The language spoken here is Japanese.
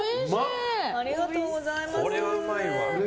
これはうまいわ。